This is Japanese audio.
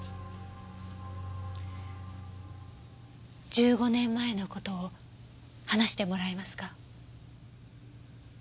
１５年前の事を話してもらえますか？